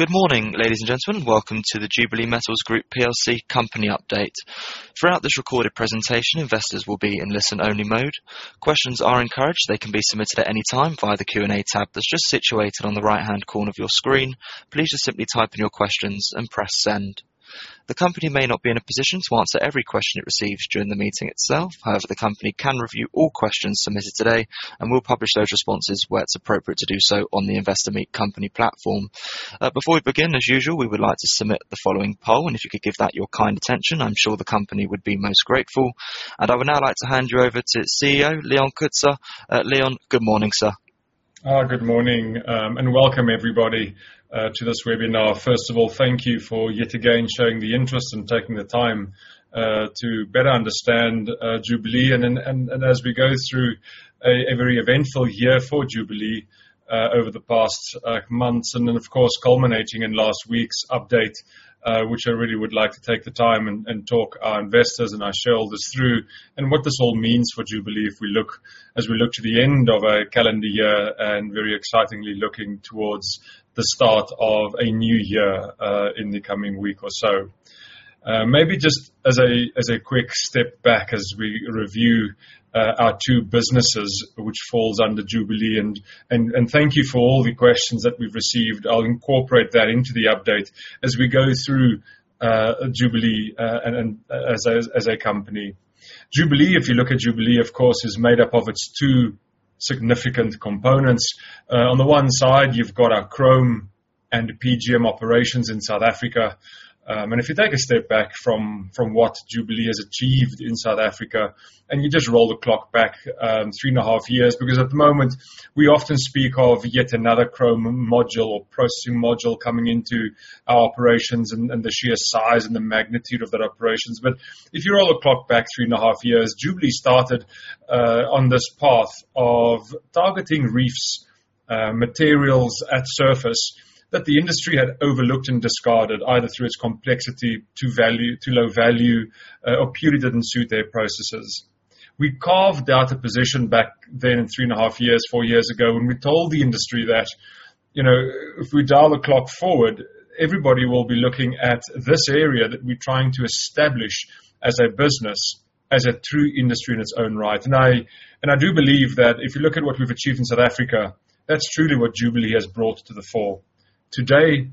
Good morning, ladies and gentlemen. Welcome to the Jubilee Metals Group PLC company update. Throughout this recorded presentation, investors will be in listen-only mode. Questions are encouraged. They can be submitted at any time via the Q&A tab that's just situated on the right-hand corner of your screen. Please just simply type in your questions and press Send. The company may not be in a position to answer every question it receives during the meeting itself. However, the company can review all questions submitted today and will publish those responses where it's appropriate to do so on the Investor Meet Company platform. Before we begin, as usual, we would like to submit the following poll, and if you could give that your kind attention, I'm sure the company would be most grateful. I would now like to hand you over to CEO, Leon Coetzer. Leon, good morning, sir. Good morning, and welcome everybody to this webinar. First of all, thank you for yet again showing the interest and taking the time to better understand Jubilee. As we go through a very eventful year for Jubilee over the past months and then, of course, culminating in last week's update, which I really would like to take the time and talk our investors and our shareholders through and what this all means for Jubilee as we look to the end of our calendar year and very excitingly looking towards the start of a new year in the coming week or so. Maybe just as a quick step back as we review our two businesses which falls under Jubilee and thank you for all the questions that we've received. I'll incorporate that into the update as we go through Jubilee and as a company. Jubilee, if you look at Jubilee, of course, is made up of its two significant components. On the one side, you've got our chrome and PGM operations in South Africa. If you take a step back from what Jubilee has achieved in South Africa, and you just roll the clock back 3.5 years, because at the moment we often speak of yet another chrome module or processing module coming into our operations and the sheer size and the magnitude of that operations. If you roll the clock back three and a half years, Jubilee started on this path of targeting reefs materials at surface that the industry had overlooked and discarded either through its complexity to low value or purely didn't suit their processes. We carved out a position back then three and a half years, four years ago, when we told the industry that, you know, if we dial the clock forward, everybody will be looking at this area that we're trying to establish as a business, as a true industry in its own right. I do believe that if you look at what we've achieved in South Africa, that's truly what Jubilee has brought to the fore. Today,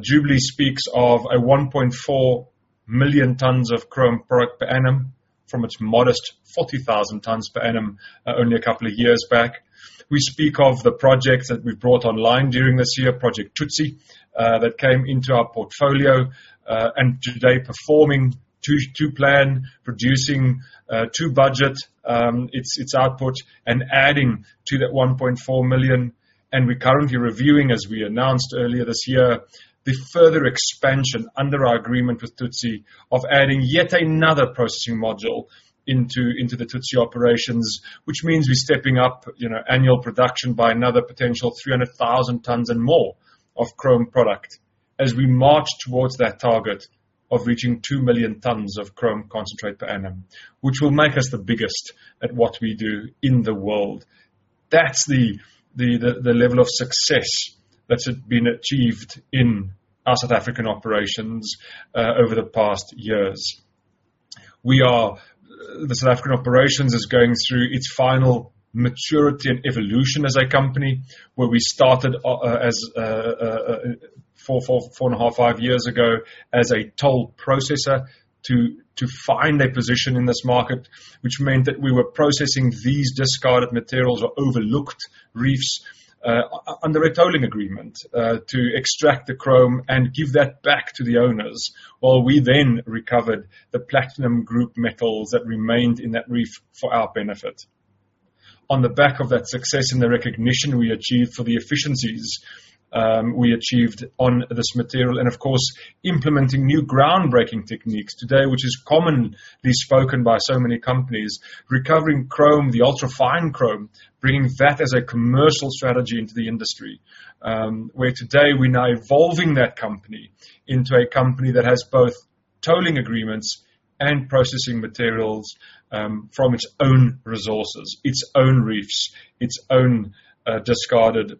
Jubilee speaks of a 1.4 million tons of chrome product per annum from its modest 40,000 tons per annum only a couple of years back. We speak of the projects that we've brought online during this year, Project Tutsi that came into our portfolio and today performing to plan, producing to budget, its output and adding to that 1.4 million. We're currently reviewing, as we announced earlier this year, the further expansion under our agreement with Tharisa of adding yet another processing module into the Tharisa operations, which means we're stepping up, you know, annual production by another potential 300,000 tons and more of chrome product as we march towards that target of reaching 2 million tons of chrome concentrate per annum, which will make us the biggest at what we do in the world. That's the level of success that's been achieved in our South African operations over the past years. The South African operations is going through its final maturity and evolution as a company, where we started as 4.5 to five years ago as a toll processor to find a position in this market, which meant that we were processing these discarded materials or overlooked reefs under a tolling agreement to extract the chrome and give that back to the owners, while we then recovered the platinum group metals that remained in that reef for our benefit. On the back of that success and the recognition we achieved for the efficiencies we achieved on this material and of course implementing new groundbreaking techniques today, which is commonly spoken by so many companies, recovering chrome, the ultra-fine chrome, bringing that as a commercial strategy into the industry, where today we're now evolving that company into a company that has both tolling agreements and processing materials from its own resources, its own reefs, its own discarded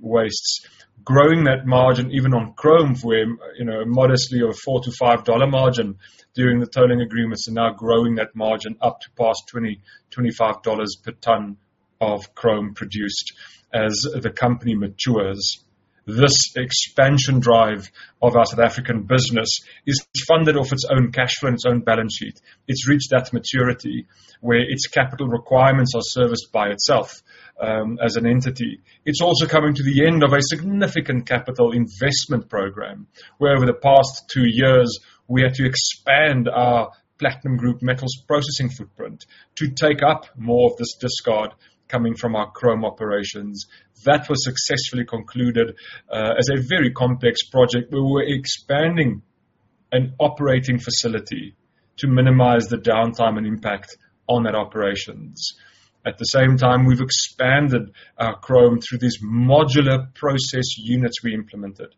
wastes, growing that margin even on chrome, where you know modestly a $4-$5 margin during the tolling agreements and now growing that margin up to past $20-$25 per ton of chrome produced as the company matures. This expansion drive of our South African business is funded off its own cash from its own balance sheet. It's reached that maturity where its capital requirements are serviced by itself, as an entity. It's also coming to the end of a significant capital investment program, where over the past two years, we had to expand our platinum group metals processing footprint to take up more of this discard coming from our chrome operations. That was successfully concluded, as a very complex project, where we're expanding an operating facility to minimize the downtime and impact on that operations. At the same time, we've expanded our chrome through these modular process units we implemented.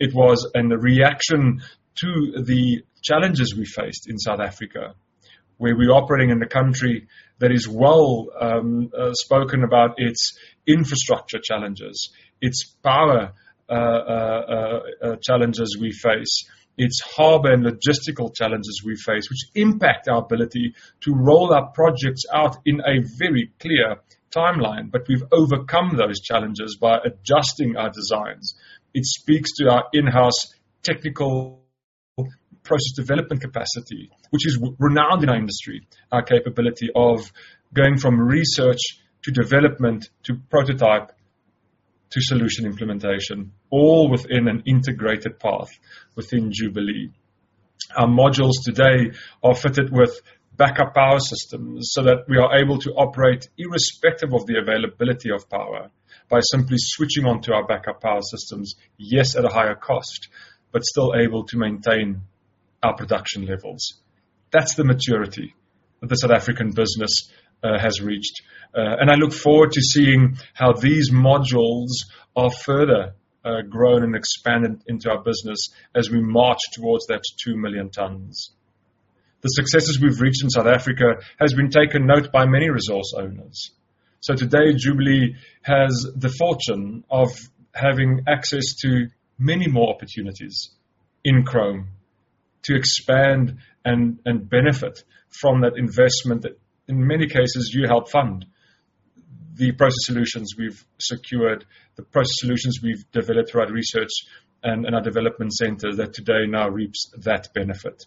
It was in the reaction to the challenges we faced in South Africa, where we're operating in a country that is well, spoken about its infrastructure challenges, its power, challenges we face, its harbor and logistical challenges we face, which impact our ability to roll out our projects in a very clear timeline. We've overcome those challenges by adjusting our designs. It speaks to our in-house technical process development capacity, which is renowned in our industry, our capability of going from research, to development, to prototype, to solution implementation, all within an integrated path within Jubilee. Our modules today are fitted with backup power systems, so that we are able to operate irrespective of the availability of power by simply switching on to our backup power systems. Yes, at a higher cost, but still able to maintain our production levels. That's the maturity that the South African business has reached. I look forward to seeing how these modules are further grown and expanded into our business as we march towards that 2 million tons. The successes we've reached in South Africa has been taken note by many resource owners. Today, Jubilee has the fortune of having access to many more opportunities in chrome to expand and benefit from that investment that, in many cases, you helped fund. The process solutions we've secured, the process solutions we've developed through our research and our development center that today now reaps that benefit.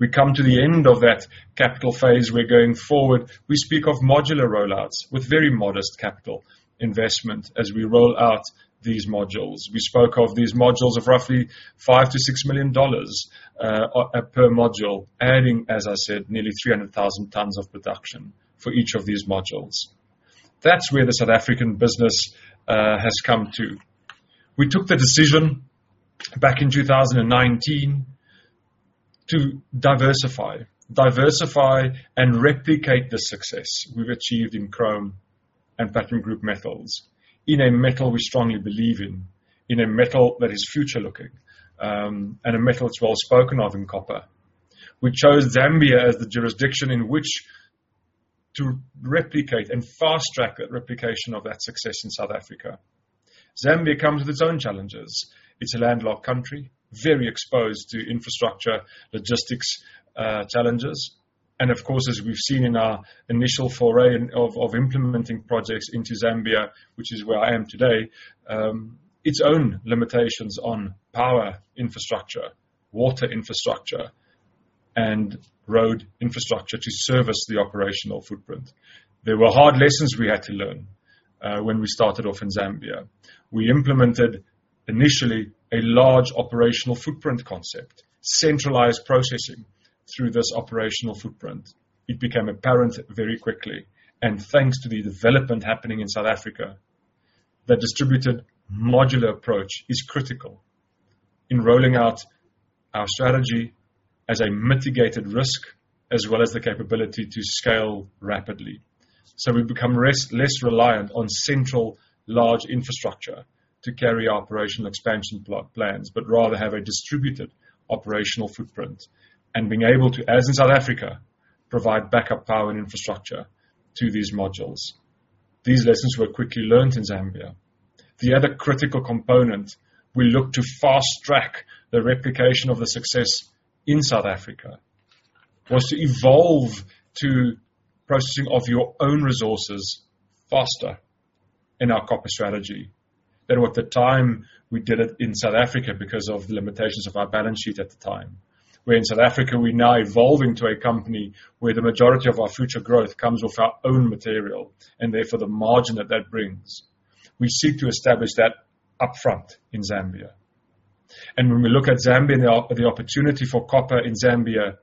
We come to the end of that capital phase. We're going forward. We speak of modular rollouts with very modest capital investment as we roll out these modules. We spoke of these modules of roughly $5 million-$6 million per module, adding, as I said, nearly 300,000 tons of production for each of these modules. That's where the South African business has come to. We took the decision back in 2019 to diversify. Diversify and replicate the success we've achieved in chrome and platinum group metals in a metal we strongly believe in a metal that is future-looking, and a metal that's well spoken of in copper. We chose Zambia as the jurisdiction in which to replicate and fast-track that replication of that success in South Africa. Zambia comes with its own challenges. It's a landlocked country, very exposed to infrastructure, logistics, challenges, and of course, as we've seen in our initial foray of implementing projects into Zambia, which is where I am today. Its own limitations on power infrastructure, water infrastructure, and road infrastructure to service the operational footprint. There were hard lessons we had to learn, when we started off in Zambia. We implemented initially a large operational footprint concept, centralized processing through this operational footprint. It became apparent very quickly, and thanks to the development happening in South Africa, that distributed modular approach is critical in rolling out our strategy as a mitigated risk, as well as the capability to scale rapidly. We've become less reliant on central large infrastructure to carry our operational expansion plot plans, but rather have a distributed operational footprint and being able to, as in South Africa, provide backup power and infrastructure to these modules. These lessons were quickly learned in Zambia. The other critical component we look to fast-track the replication of the success in South Africa was to evolve to processing of our own resources faster in our copper strategy, that at the time we did it in South Africa because of the limitations of our balance sheet at the time. Where in South Africa, we're now evolving to a company where the majority of our future growth comes with our own material and therefore the margin that that brings. We seek to establish that upfront in Zambia. When we look at Zambia and the opportunity for copper in Zambia,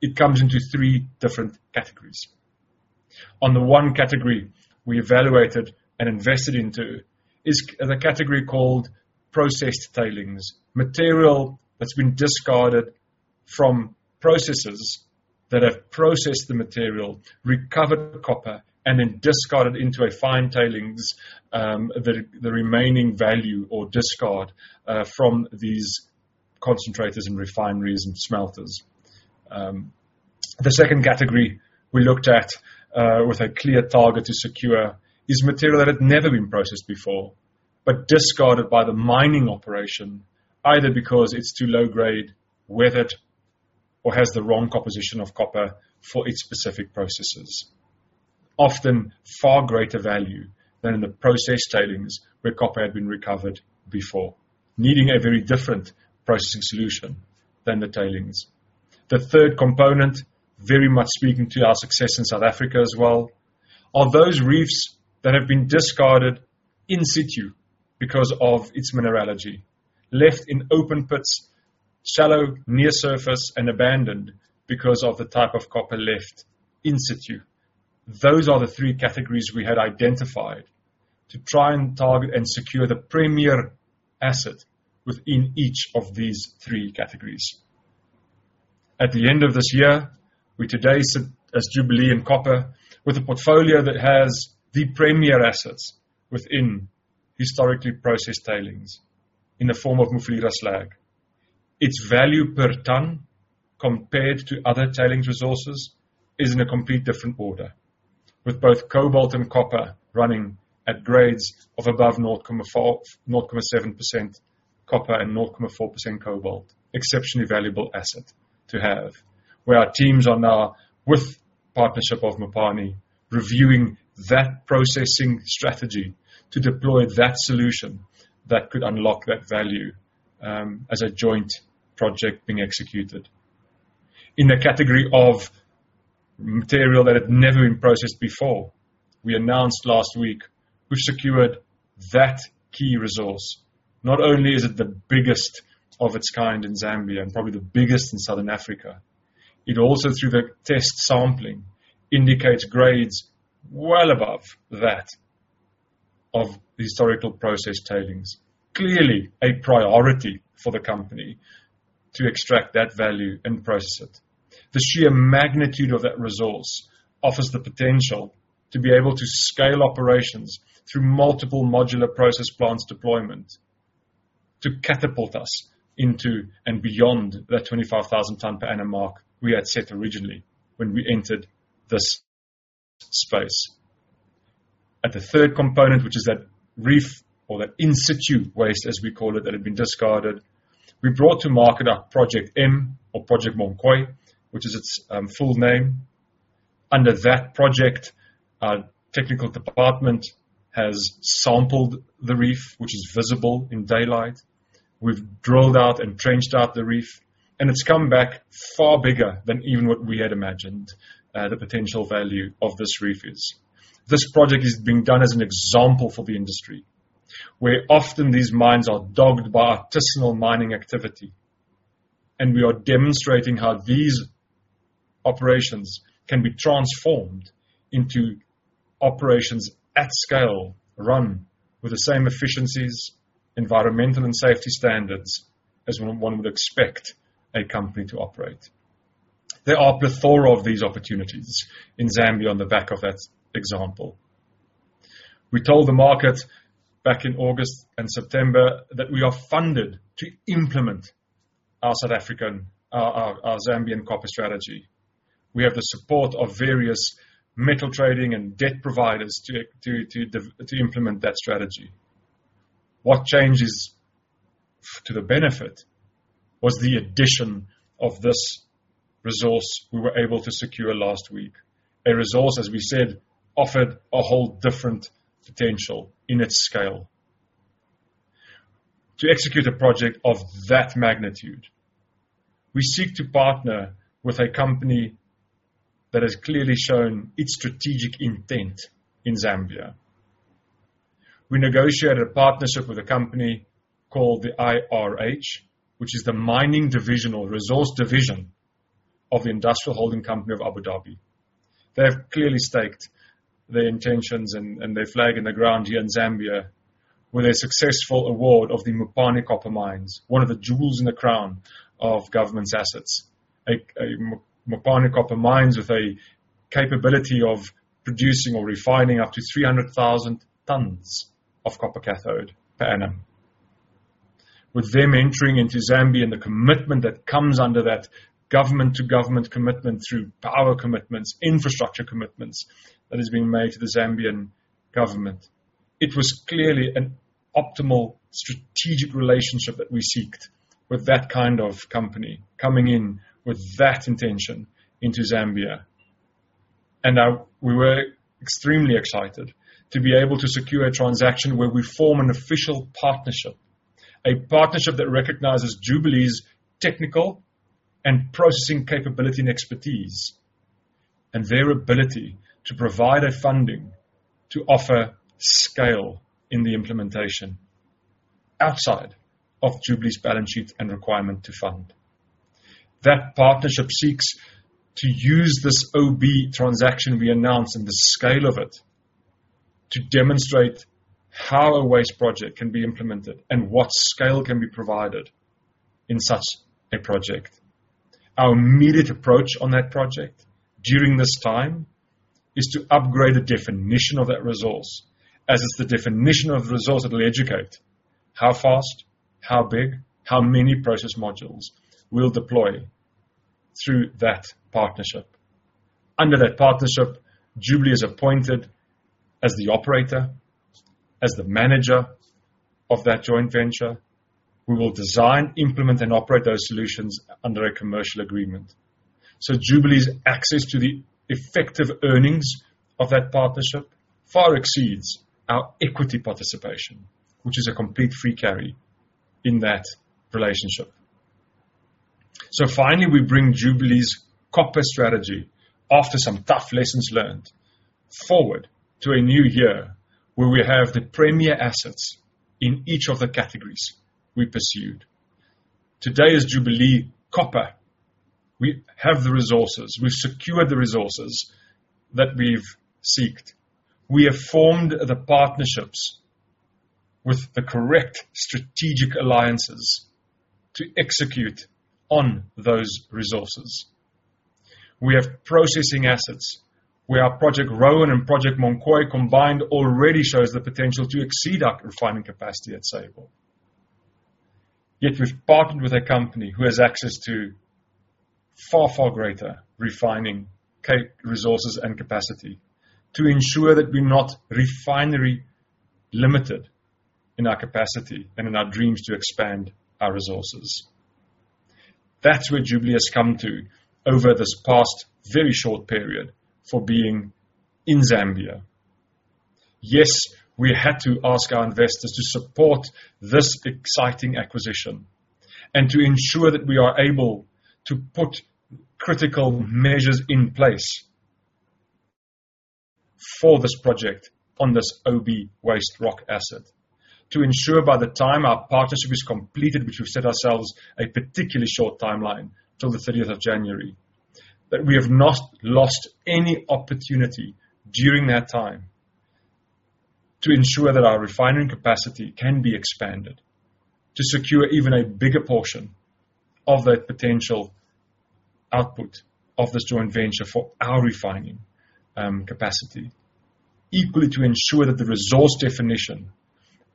it comes into three different categories. One of the categories we evaluated and invested into is the category called processed tailings. Material that's been discarded from processes that have processed the material, recovered the copper, and then discarded into a fine tailings, the remaining value or discard from these concentrators and refineries and smelters. The second category we looked at with a clear target to secure is material that had never been processed before, but discarded by the mining operation either because it's too low grade, weathered, or has the wrong composition of copper for its specific processes. Often far greater value than in the processed tailings where copper had been recovered before, needing a very different processing solution than the tailings. The third component, very much speaking to our success in South Africa as well, are those reefs that have been discarded in situ because of its mineralogy, left in open pits, shallow, near surface, and abandoned because of the type of copper left in situ. Those are the three categories we had identified to try and target and secure the premier asset within each of these three categories. At the end of this year, we today sit as Jubilee and Copper with a portfolio that has the premier assets within historically processed tailings in the form of Mufulira Slag. Its value per ton compared to other tailings resources is in a complete different order, with both cobalt and copper running at grades of above 0.4%-0.7% copper and 0.4% cobalt. Exceptionally valuable asset to have. Where our teams are now with partnership of Mopani, reviewing that processing strategy to deploy that solution that could unlock that value, as a joint project being executed. In the category of material that had never been processed before, we announced last week we've secured that key resource. Not only is it the biggest of its kind in Zambia, and probably the biggest in Southern Africa, it also through the test sampling, indicates grades well above that of the historical process tailings. Clearly a priority for the company to extract that value and process it. The sheer magnitude of that resource offers the potential to be able to scale operations through multiple modular process plants deployment to catapult us into and beyond that 25,000 ton per annum mark we had set originally when we entered this space. At the third component, which is that reef or that in situ waste, as we call it, that had been discarded, we brought to market our Project M or Project Munkoyo, which is its full name. Under that project, our technical department has sampled the reef, which is visible in daylight. We've drilled out and trenched out the reef, and it's come back far bigger than even what we had imagined, the potential value of this reef is. This project is being done as an example for the industry, where often these mines are dogged by artisanal mining activity. We are demonstrating how these operations can be transformed into operations at scale, run with the same efficiencies, environmental and safety standards as one would expect a company to operate. There are a plethora of these opportunities in Zambia on the back of that example. We told the market back in August and September that we are funded to implement our Zambian copper strategy. We have the support of various metal trading and debt providers to implement that strategy. What changed for the benefit was the addition of this resource we were able to secure last week. A resource, as we said, offered a whole different potential in its scale. To execute a project of that magnitude, we seek to partner with a company that has clearly shown its strategic intent in Zambia. We negotiated a partnership with a company called the IRH, which is the mining division or resource division of the International Holding Company of Abu Dhabi. They have clearly staked their intentions and their flag in the ground here in Zambia with a successful award of the Mufulira Copper Mines, one of the jewels in the crown of government's assets. Mufulira Copper Mines with a capability of producing or refining up to 300,000 tons of copper cathode per annum. With them entering into Zambia and the commitment that comes under that government to government commitment through power commitments, infrastructure commitments that are being made to the Zambian government, it was clearly an optimal strategic relationship that we sought with that kind of company coming in with that intention into Zambia. Now we were extremely excited to be able to secure a transaction where we form an official partnership, a partnership that recognizes Jubilee's technical and processing capability and expertise, and their ability to provide a funding to offer scale in the implementation outside of Jubilee's balance sheet and requirement to fund. That partnership seeks to use this OB transaction we announced and the scale of it to demonstrate how a waste project can be implemented and what scale can be provided in such a project. Our immediate approach on that project during this time is to upgrade the definition of that resource, as it's the definition of the resource that'll educate how fast, how big, how many process modules we'll deploy through that partnership. Under that partnership, Jubilee is appointed as the operator, as the manager of that joint venture. We will design, implement, and operate those solutions under a commercial agreement. Jubilee's access to the effective earnings of that partnership far exceeds our equity participation, which is a complete free carry in that relationship. Finally, we bring Jubilee's copper strategy after some tough lessons learned forward to a new year where we have the premier assets in each of the categories we pursued. Today as Jubilee Copper, we have the resources, we've secured the resources that we've sought. We have formed the partnerships with the correct strategic alliances to execute on those resources. We have processing assets where our Project Roan and Project Munkoyo combined already shows the potential to exceed our refining capacity at Sable. Yet we've partnered with a company who has access to far, far greater refining resources and capacity to ensure that we're not refinery limited in our capacity and in our dreams to expand our resources. That's where Jubilee has come to over this past very short period for being in Zambia. Yes, we had to ask our investors to support this exciting acquisition and to ensure that we are able to put critical measures in place for this project on this OB waste rock asset. To ensure by the time our partnership is completed, which we've set ourselves a particularly short timeline till the thirtieth of January, that we have not lost any opportunity during that time to ensure that our refining capacity can be expanded to secure even a bigger portion of that potential output of this joint venture for our refining capacity. Equally, to ensure that the resource definition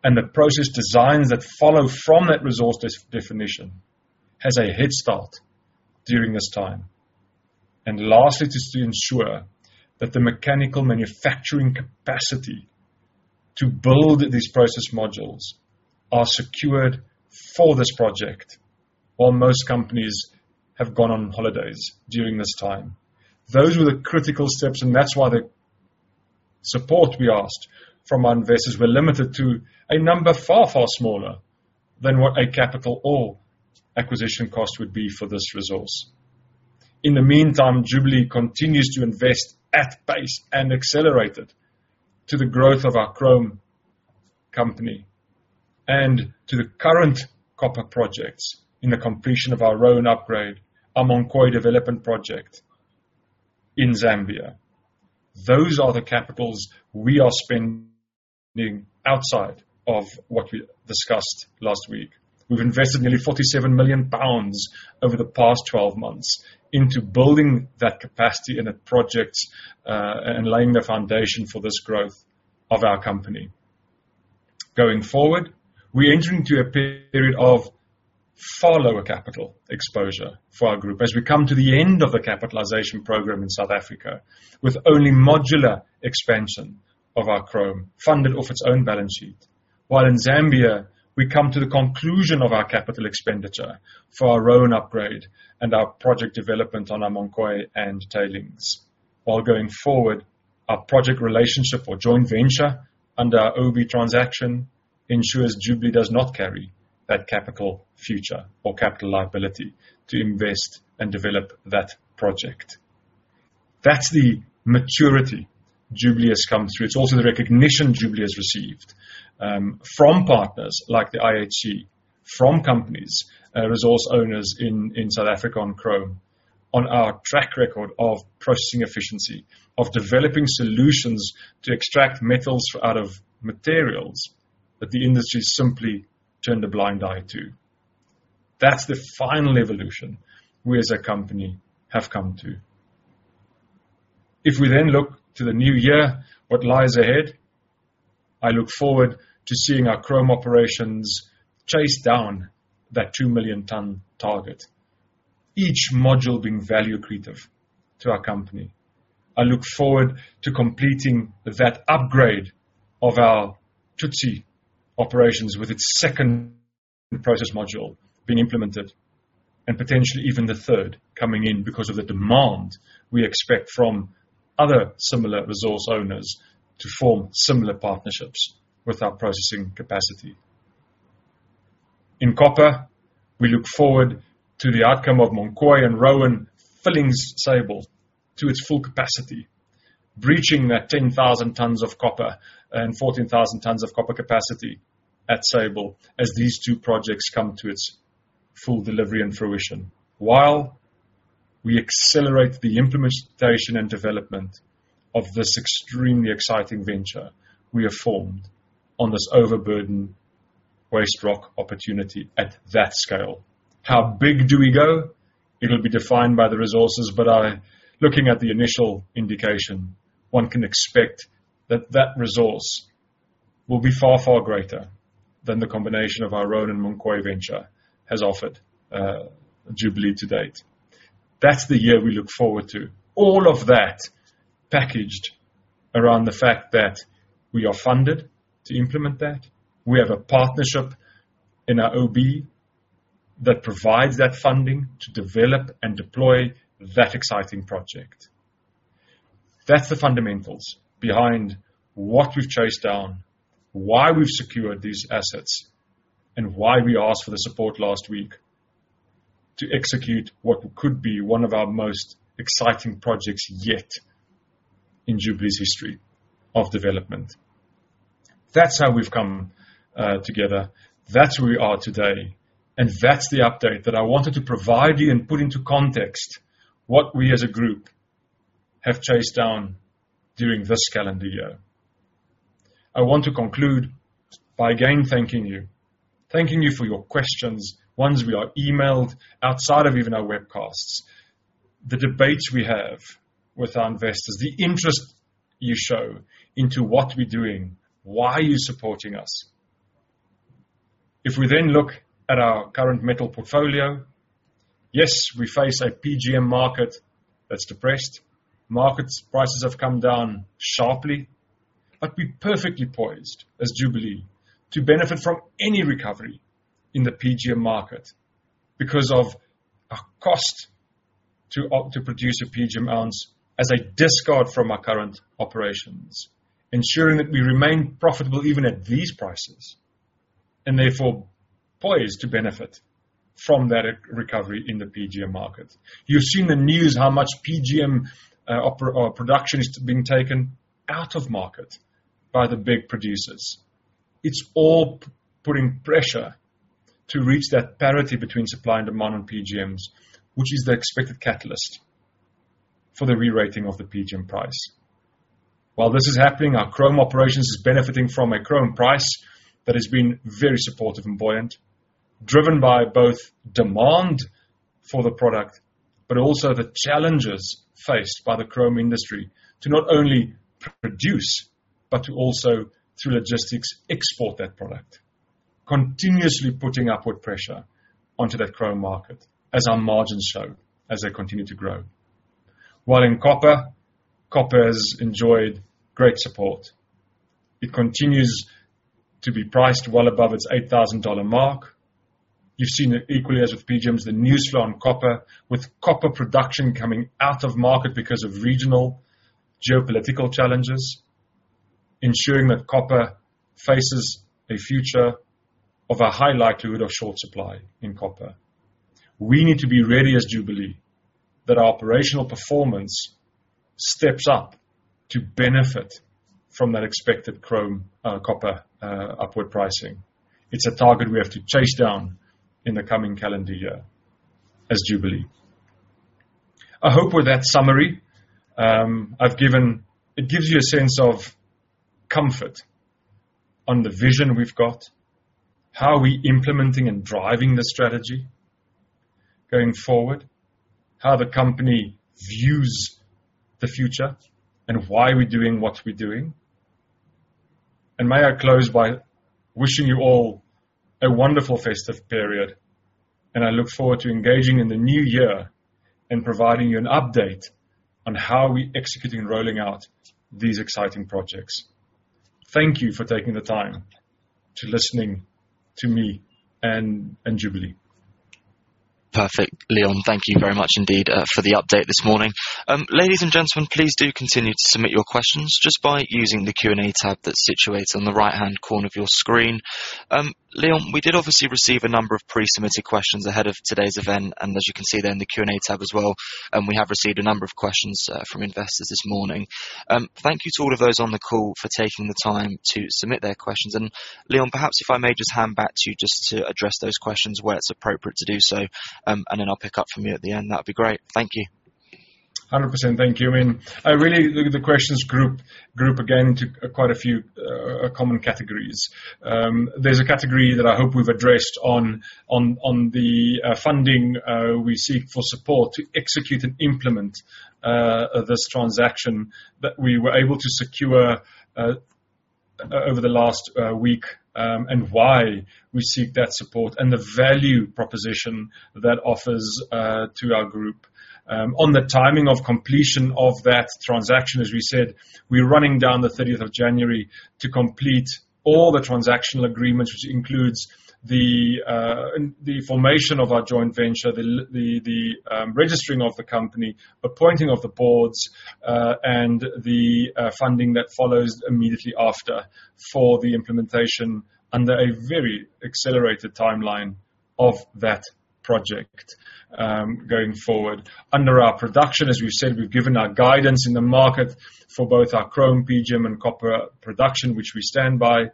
and the process designs that follow from that resource definition have a head start during this time. Lastly, it is to ensure that the mechanical manufacturing capacity to build these process modules is secured for this project while most companies have gone on holidays during this time. Those were the critical steps, and that's why the support we asked from our investors was limited to a number far, far smaller than what a capital or acquisition cost would be for this resource. In the meantime, Jubilee continues to invest at pace and accelerate to the growth of our chrome company and to the current copper projects including the completion of our Roan upgrade, our Munkoyo development project in Zambia. Those are the capitals we are spending outside of what we discussed last week. We've invested nearly 47 million pounds over the past 12 months into building that capacity in the projects, and laying the foundation for this growth of our company. Going forward, we're entering into a period of far lower capital exposure for our group as we come to the end of the capitalization program in South Africa, with only modular expansion of our chrome funded off its own balance sheet. While in Zambia, we come to the conclusion of our capital expenditure for our Roan upgrade and our project development on our Munkoyo and tailings. While going forward, our project relationship or joint venture under our OB transaction ensures Jubilee does not carry that capital future or capital liability to invest and develop that project. That's the maturity Jubilee has come through. It's also the recognition Jubilee has received from partners like the IHC, from companies, resource owners in South Africa on chrome, on our track record of processing efficiency, of developing solutions to extract metals out of materials that the industry simply turned a blind eye to. That's the final evolution we as a company have come to. If we then look to the new year, what lies ahead, I look forward to seeing our chrome operations chase down that two million ton target, each module being value accretive to our company. I look forward to completing that upgrade of our Tutsi operations with its second process module being implemented and potentially even the third coming in because of the demand we expect from other similar resource owners to form similar partnerships with our processing capacity. In copper, we look forward to the outcome of Munkoyo and Roan filling Sable to its full capacity, reaching that 10,000 tons of copper and 14,000 tons of copper capacity at Sable as these two projects come to its full delivery and fruition. While we accelerate the implementation and development of this extremely exciting venture we have formed on this overburden waste rock opportunity at that scale. How big do we go? It'll be defined by the resources, but I'm looking at the initial indication, one can expect that resource will be far, far greater than the combination of our Roan and Munkoyo venture has offered, Jubilee to date. That's the year we look forward to. All of that packaged around the fact that we are funded to implement that. We have a partnership in our OB that provides that funding to develop and deploy that exciting project. That's the fundamentals behind what we've chased down, why we've secured these assets, and why we asked for the support last week to execute what could be one of our most exciting projects yet in Jubilee's history of development. That's how we've come together. That's where we are today, and that's the update that I wanted to provide you and put into context what we as a group have chased down during this calendar year. I want to conclude by again thanking you, thanking you for your questions, ones we are emailed outside of even our webcasts. The debates we have with our investors, the interest you show into what we're doing, why you're supporting us. If we look at our current metal portfolio, yes, we face a PGM market that's depressed. Market prices have come down sharply, but we're perfectly poised as Jubilee to benefit from any recovery in the PGM market because of our low cost to produce a PGM ounce as a discard from our current operations, ensuring that we remain profitable even at these prices, and therefore poised to benefit from that recovery in the PGM market. You've seen the news, how much PGM production is being taken out of the market by the big producers. It's all putting pressure to reach that parity between supply and demand on PGMs, which is the expected catalyst for the rerating of the PGM price. While this is happening, our chrome operations is benefiting from a chrome price that has been very supportive and buoyant, driven by both demand for the product, but also the challenges faced by the chrome industry to not only produce but to also, through logistics, export that product, continuously putting upward pressure onto that chrome market as our margins show as they continue to grow. While in copper has enjoyed great support. It continues to be priced well above its $8,000 mark. You've seen it equally as with PGMs, the news flow on copper, with copper production coming out of market because of regional geopolitical challenges, ensuring that copper faces a future of a high likelihood of short supply in copper. We need to be ready as Jubilee that our operational performance steps up to benefit from that expected copper upward pricing. It's a target we have to chase down in the coming calendar year as Jubilee. I hope with that summary, it gives you a sense of comfort on the vision we've got, how we're implementing and driving the strategy going forward, how the company views the future, and why we're doing what we're doing. May I close by wishing you all a wonderful festive period, and I look forward to engaging in the new year and providing you an update on how we're executing and rolling out these exciting projects. Thank you for taking the time to listen to me and Jubilee. Perfect. Leon, thank you very much indeed for the update this morning. Ladies and gentlemen, please do continue to submit your questions just by using the Q&A tab that's situated on the right-hand corner of your screen. Leon, we did obviously receive a number of pre-submitted questions ahead of today's event, and as you can see there in the Q&A tab as well, and we have received a number of questions from investors this morning. Thank you to all of those on the call for taking the time to submit their questions. Leon, perhaps if I may just hand back to you just to address those questions where it's appropriate to do so, and then I'll pick up from you at the end. That'd be great. Thank you. 100%. Thank you. I mean, I really look at the questions grouped into quite a few common categories. There's a category that I hope we've addressed on the funding we seek for support to execute and implement this transaction that we were able to secure over the last week, and why we seek that support and the value proposition that offers to our group. On the timing of completion of that transaction, as we said, we're running down to the thirtieth of January to complete all the transactional agreements, which includes the formation of our joint venture, the registering of the company, appointing of the boards, and the funding that follows immediately after for the implementation under a very accelerated timeline of that project going forward. Under our production, as we've said, we've given our guidance in the market for both our chrome, PGM, and copper production, which we stand by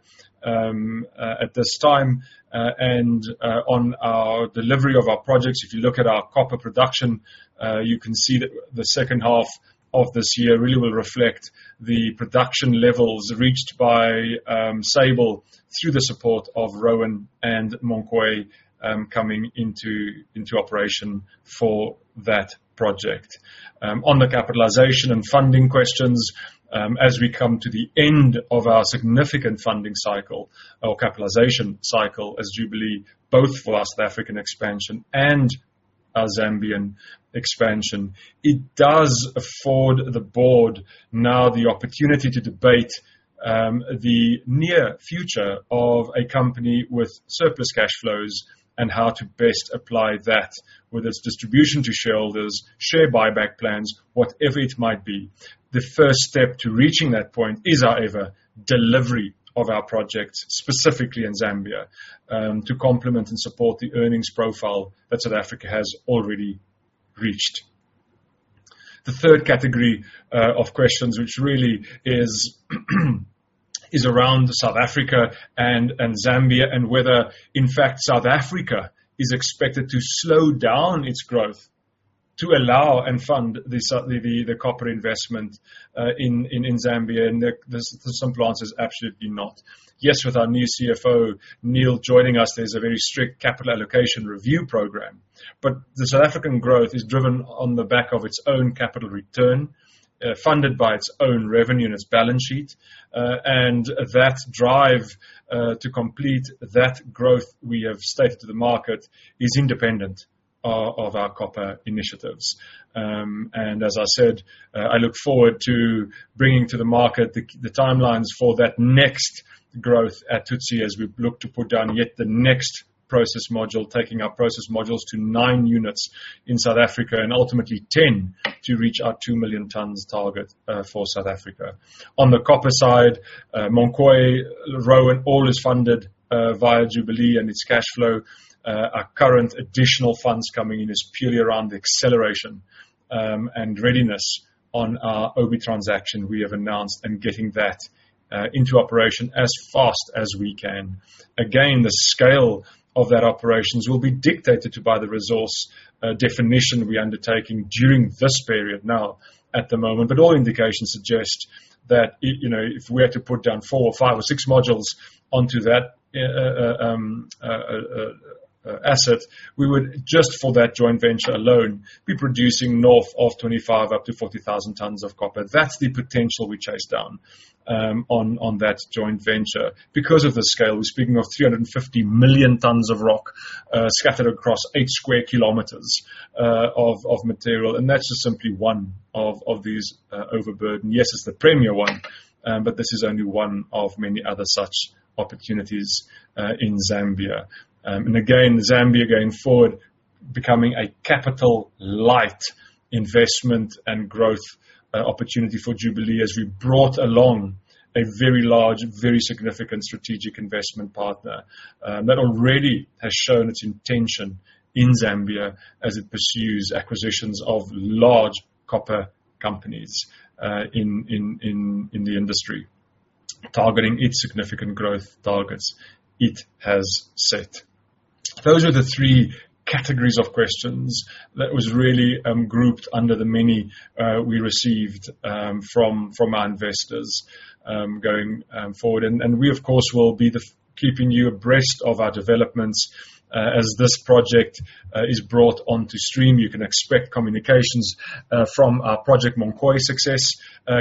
at this time. On our delivery of our projects, if you look at our copper production, you can see that the second half of this year really will reflect the production levels reached by Sable through the support of Roan and Munkoyo coming into operation for that project. On the capitalization and funding questions, as we come to the end of our significant funding cycle or capitalization cycle as Jubilee, both for our South African expansion and our Zambian expansion, it does afford the board now the opportunity to debate the near future of a company with surplus cash flows and how to best apply that, whether it's distribution to shareholders, share buyback plans, whatever it might be. The first step to reaching that point is, however, delivery of our projects, specifically in Zambia, to complement and support the earnings profile that South Africa has already reached. The third category of questions, which really is around South Africa and Zambia, and whether, in fact, South Africa is expected to slow down its growth to allow and fund the copper investment in Zambia. The simple answer is absolutely not. Yes, with our new CFO, Neal joining us, there's a very strict capital allocation review program. The South African growth is driven on the back of its own capital return, funded by its own revenue and its balance sheet. That drive to complete that growth we have stated to the market is independent of our copper initiatives. As I said, I look forward to bringing to the market the timelines for that next growth at Tharisa as we look to put down yet the next process module, taking our process modules to 9 units in South Africa and ultimately 10 to reach our 2 million tons target for South Africa. On the copper side, Munkoyo, Roan—all is funded via Jubilee and its cash flow. Our current additional funds coming in is purely around acceleration and readiness on our OB transaction we have announced and getting that into operation as fast as we can. Again, the scale of that operations will be dictated by the resource definition we're undertaking during this period now at the moment. All indications suggest that you know, if we had to put down four or four or six modules onto that asset, we would just for that joint venture alone, be producing north of 25 up to 40,000 tons of copper. That's the potential we chase down on that joint venture. Because of the scale, we're speaking of 350 million tons of rock scattered across 8 square kilometers of material, and that's just simply one of these overburden. Yes, it's the premier one, but this is only one of many other such opportunities in Zambia. Again, Zambia going forward becoming a capital light investment and growth opportunity for Jubilee as we brought along a very large, very significant strategic investment partner that already has shown its intention in Zambia as it pursues acquisitions of large copper companies in the industry, targeting its significant growth targets it has set. Those are the three categories of questions that was really grouped under the many we received from our investors going forward. We of course will be keeping you abreast of our developments as this project is brought onto stream. You can expect communications from our project Munkoyo success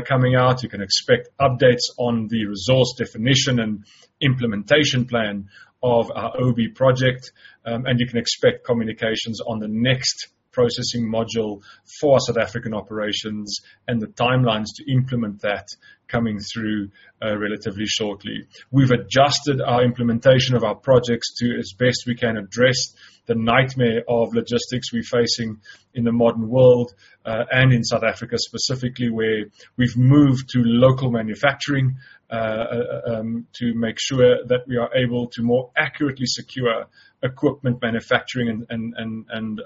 coming out. You can expect updates on the resource definition and implementation plan of our OB project. You can expect communications on the next processing module for our South African operations and the timelines to implement that coming through, relatively shortly. We've adjusted our implementation of our projects to as best we can address the nightmare of logistics we're facing in the modern world, and in South Africa specifically, where we've moved to local manufacturing, to make sure that we are able to more accurately secure equipment manufacturing and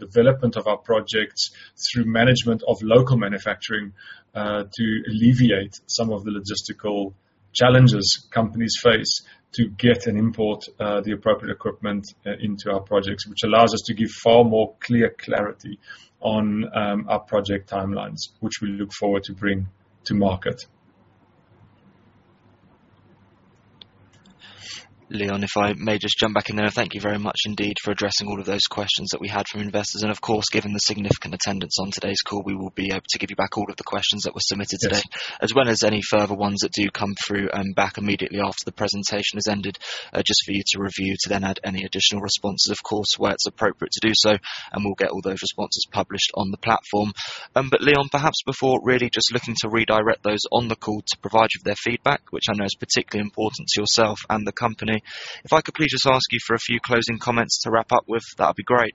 development of our projects through management of local manufacturing, to alleviate some of the logistical challenges companies face to get and import the appropriate equipment into our projects, which allows us to give far more clear clarity on our project timelines, which we look forward to bring to market. Leon, if I may just jump back in there. Thank you very much indeed for addressing all of those questions that we had from investors. Of course, given the significant attendance on today's call, we will be able to give you back all of the questions that were submitted today. Yes. As well as any further ones that do come through and back immediately after the presentation has ended, just for you to review to then add any additional responses, of course, where it's appropriate to do so, and we'll get all those responses published on the platform. Leon, perhaps before really just looking to redirect those on the call to provide you with their feedback, which I know is particularly important to yourself and the company. If I could please just ask you for a few closing comments to wrap up with, that'd be great.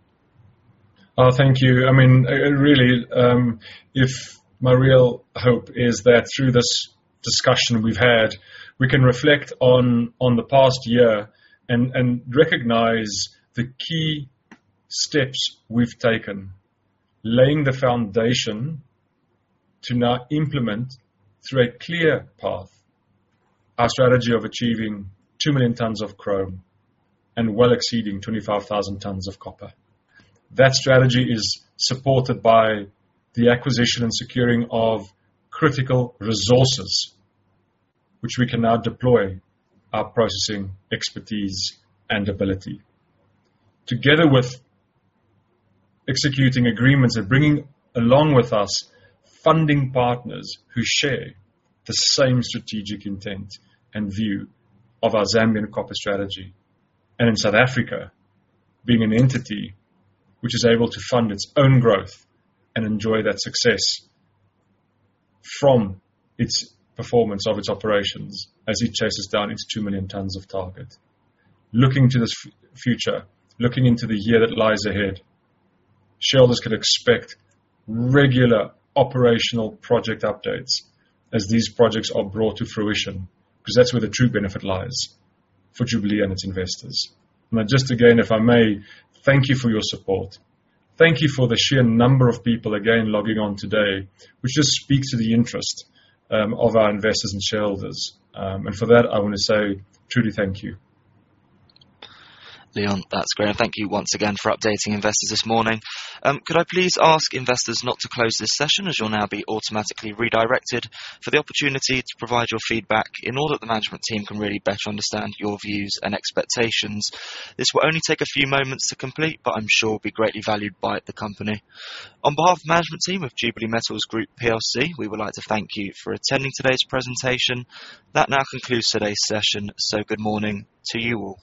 Oh, thank you. I mean, really, if my real hope is that through this discussion we've had, we can reflect on the past year and recognize the key steps we've taken, laying the foundation to now implement through a clear path our strategy of achieving 2 million tons of chrome and well exceeding 25,000 tons of copper. That strategy is supported by the acquisition and securing of critical resources, which we can now deploy our processing expertise and ability, together with executing agreements and bringing along with us funding partners who share the same strategic intent and view of our Zambian copper strategy. In South Africa, being an entity which is able to fund its own growth and enjoy that success from its performance of its operations as it chases down its 2 million tons of target. Looking to this future, looking into the year that lies ahead, shareholders can expect regular operational project updates as these projects are brought to fruition, because that's where the true benefit lies for Jubilee and its investors. Now just again, if I may, thank you for your support. Thank you for the sheer number of people again logging on today, which just speaks to the interest of our investors and shareholders. For that, I wanna say truly thank you. Leon, that's great. Thank you once again for updating investors this morning. Could I please ask investors not to close this session as you'll now be automatically redirected for the opportunity to provide your feedback in order that the management team can really better understand your views and expectations. This will only take a few moments to complete, but I'm sure will be greatly valued by the company. On behalf of management team of Jubilee Metals Group PLC, we would like to thank you for attending today's presentation. That now concludes today's session. Good morning to you all.